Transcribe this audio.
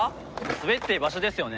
滑っていい場所ですよね？